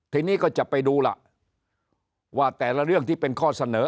ทีนี้ก็จะไปดูล่ะว่าแต่ละเรื่องที่เป็นข้อเสนอ